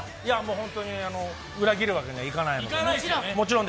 本当に裏切るわけにはいかないので。